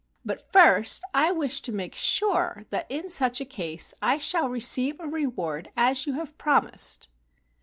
But first I wish to make sure that in such a case I shall receive a reward as you have promised."